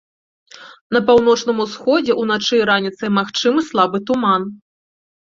На паўночным усходзе ўначы і раніцай магчымы слабы туман.